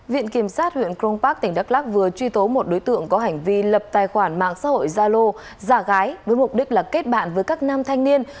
viện kiểm sát huyện cron park tỉnh đắk lắc vừa truy tố một đối tượng có hành vi lập tài khoản mạng xã hội gia lô giả gái với mục đích là kết bạn với các nam thanh niên